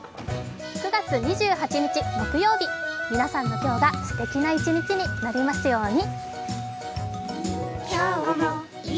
９月２８日木曜日、皆さんの今日がすてきな一日になりますように。